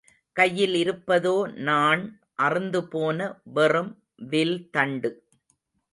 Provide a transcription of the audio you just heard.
கையில் இருப்பதோ நாண் அறுந்தபோன வெறும் வில் தண்டு.